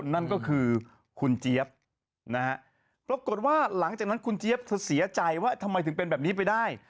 นั่นก็คือคุณเจี๊ยบนะฮะปรากฏว่าหลังจากนั้นคุณเจี๊ยบเธอเสียใจว่าทำไมถึงเป็นแบบนี้ไปได้